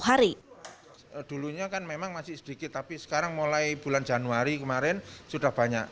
hari dulunya kan memang masih sedikit tapi sekarang mulai bulan januari kemarin sudah banyak